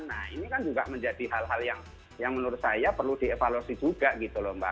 nah ini kan juga menjadi hal hal yang menurut saya perlu dievaluasi juga gitu loh mbak